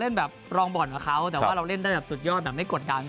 เรามีร่องบอนทศเขาแต่ว่าเราเล่นได้สุดยอดไม่กดกั้น